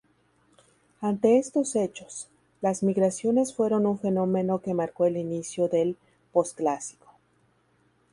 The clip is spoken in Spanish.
Ante estos hechos, las migraciones fueron un fenómeno que marcó el inicio del Posclásico.